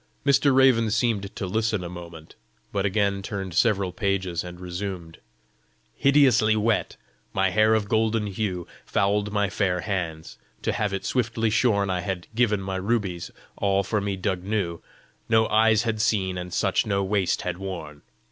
Mr. Raven seemed to listen a moment, but again turned several pages, and resumed: "Hideously wet, my hair of golden hue Fouled my fair hands: to have it swiftly shorn I had given my rubies, all for me dug new No eyes had seen, and such no waist had worn!